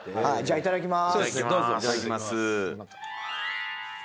いただきます。